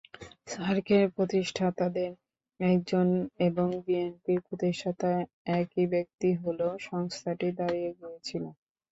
সার্কের প্রতিষ্ঠাতাদের একজন এবং বিএনপির প্রতিষ্ঠাতা একই ব্যক্তি হলেও সংস্থাটি দাঁড়িয়ে গিয়েছিল।